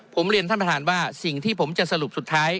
ผมเรียนท่านประธานว่าสิ่งที่ผมจะสรุปสุดท้าย